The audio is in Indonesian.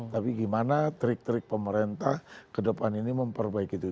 tapi gimana trik trik pemerintah kedepan ini memperbaiki itu